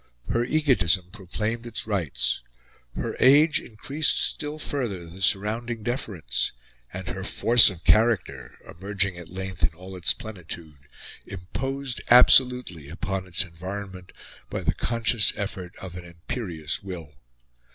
Her egotism proclaimed its rights. Her age increased still further the surrounding deference; and her force of character, emerging at length in all its plenitude, imposed absolutely upon its environment by the conscious effort of an imperious will.